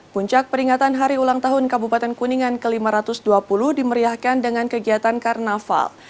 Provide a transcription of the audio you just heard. puncak peringatan hari ulang tahun kabupaten kuningan ke lima ratus dua puluh dimeriahkan dengan kegiatan karnaval